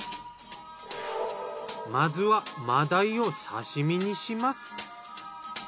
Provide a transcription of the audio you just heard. まずは真鯛を刺身にします。